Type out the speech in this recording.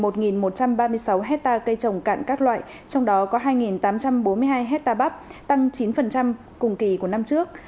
tăng ba mươi sáu hectare cây trồng cạn các loại trong đó có hai tám trăm bốn mươi hai hectare bắp tăng chín cùng kỳ của năm trước